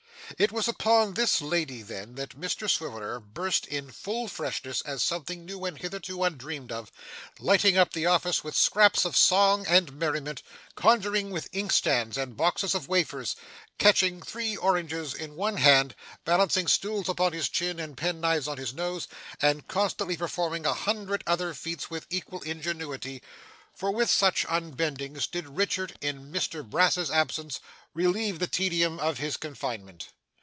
It was upon this lady, then, that Mr Swiveller burst in full freshness as something new and hitherto undreamed of, lighting up the office with scraps of song and merriment, conjuring with inkstands and boxes of wafers, catching three oranges in one hand, balancing stools upon his chin and penknives on his nose, and constantly performing a hundred other feats with equal ingenuity; for with such unbendings did Richard, in Mr Brass's absence, relieve the tedium of his confinement.